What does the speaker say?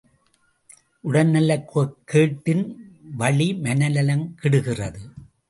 உடல்நலக் கேட்டின் வழி மனநலம் கெடுகிறது.